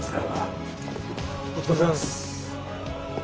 お疲れさまです。